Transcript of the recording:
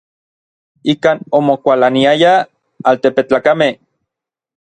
Ikan omokualaniayaj n altepetlakamej.